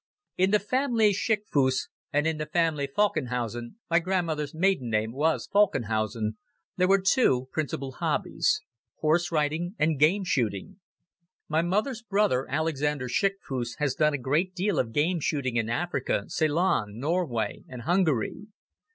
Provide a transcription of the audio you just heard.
In the family Schickfuss and in the family Falckenhausen my grandmother's maiden name was Falckenhausen there were two principal hobbies: horse riding and game shooting. My mother's brother, Alexander Schickfuss, has done a great deal of game shooting in Africa, Ceylon, Norway and Hungary.